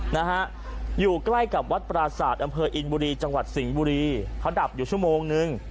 นะฮะอยู่ใกล้กับวัดปราศาสตร์อำเภออินบุรีจังหวัดสิงห์บุรีเขาดับอยู่ชั่วโมงนึง